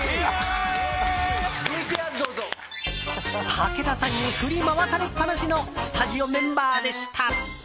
武田さんに振り回されっぱなしのスタジオメンバーでした。